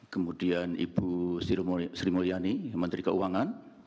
kemudian ibu sri mulyani menteri keuangan